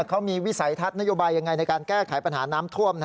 เขามีวิสัยทัศน์นโยบายยังไงในการแก้ไขปัญหาน้ำท่วม